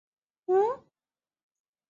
弘治十八年乙丑科三甲第一名进士。